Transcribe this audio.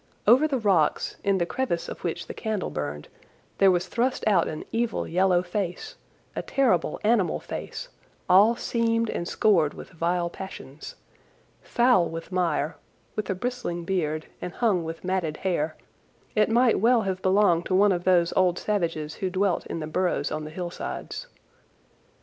Over the rocks, in the crevice of which the candle burned, there was thrust out an evil yellow face, a terrible animal face, all seamed and scored with vile passions. Foul with mire, with a bristling beard, and hung with matted hair, it might well have belonged to one of those old savages who dwelt in the burrows on the hillsides.